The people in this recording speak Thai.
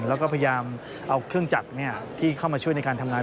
แล้วก็พยายามเอาเครื่องจักรที่เข้ามาช่วยในการทำงาน